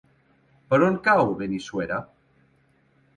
Per on cau Benissuera?